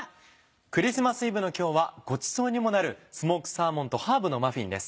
クリスマスイブの今日はごちそうにもなる「スモークサーモンとハーブのマフィン」です。